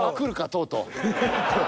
とうとう。